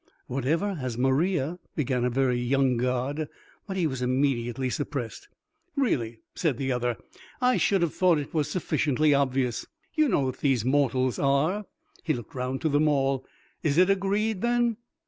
"Whatever has Maria " began a very young god, but he was immediately suppressed. "Really," said the other, "I should have thought it was sufficiently obvious. You know what these mortals are." He looked round to them all. "Is it agreed then?"